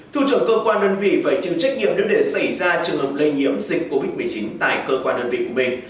thủ trưởng cơ quan đơn vị phải chịu trách nhiệm nếu để xảy ra trường hợp lây nhiễm dịch covid một mươi chín tại cơ quan đơn vị của mình